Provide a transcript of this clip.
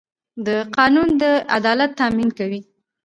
دا قانون د عدالت تامین کوي.